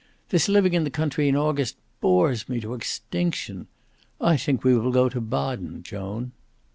"This living in the country in August bores me to extinction. I think we will go to Baden, Joan."